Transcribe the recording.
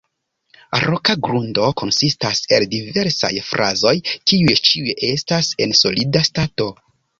Roka grundo konsistas el diversaj fazoj, kiuj ĉiuj estas en solida stato.